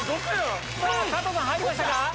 加藤さん入りましたか？